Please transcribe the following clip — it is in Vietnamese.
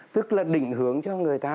tức là đỉnh hướng cho người ta